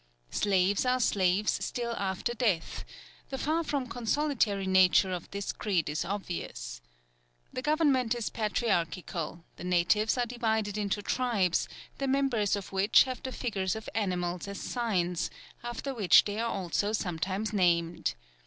Slaves are slaves still after death; the far from consolatory nature of this creed is obvious. The government is patriarchal; the natives are divided into tribes, the members of which have the figures of animals as signs, after which they are also sometimes named.